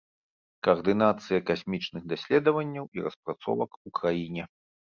Каардынацыя касмічных даследаванняў і распрацовак у краіне.